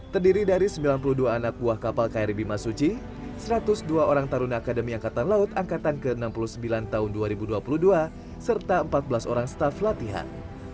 terdiri dari sembilan puluh dua anak buah kapal kri bimasuci satu ratus dua orang taruna akademi angkatan laut angkatan ke enam puluh sembilan tahun dua ribu dua puluh dua serta empat belas orang staff latihan